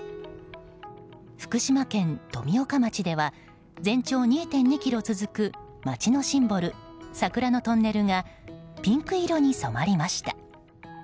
福島県富岡町では全長２．２ｋｍ続く町のシンボル、桜のトンネルがピンク色に染まりました。